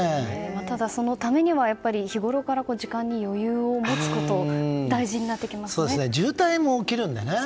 ただ、そのためには日ごろから時間に余裕を持つこと渋滞も起きるのでね。